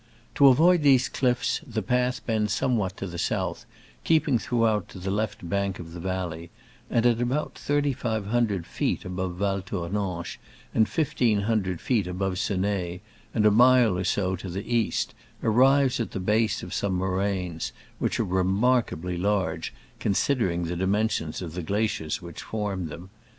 To avoid these cliffs the path bends some what to the south, keeping throughout to the left bank of the valley ; and at about thirty five hundred feet above Val Tournanche, and fifteen hundred feet above Ceneil, and a mile or so to its east, arrives at the base of some moraines, which are remarkably large, considering the dimensions of the gla ciers which formed them.